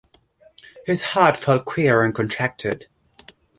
His heart felt queer and contracted.